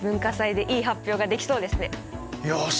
よし！